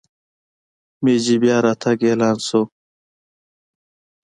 مېجي بیا راتګ اعلان شو.